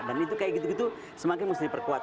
dan itu kayak gitu gitu semakin mesti diperkuat